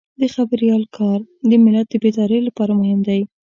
د خبریال کار د ملت د بیدارۍ لپاره مهم دی.